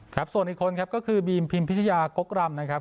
ส่วนอีกคนครับก็คือบีมพิมพิชยากกรำนะครับ